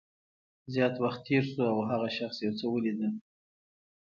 زیات وخت تېر شو او هغه شخص یو څه ولیدل